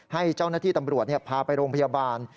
ให้เจ้าหน้าที่ตำรวจพาไปโรงพยาบาล